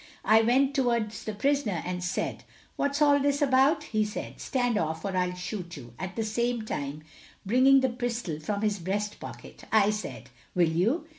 I went towards the prisoner and said, "What's all this about?" He said, "Stand off, or I'll shoot you," at the same time bringing the pistol from his breast pocket. I said, "Will you?"